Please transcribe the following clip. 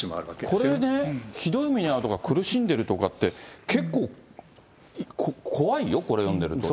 これね、ひどい目に遭うとか、苦しんでるとかって、結構怖いよ、これ読んでると。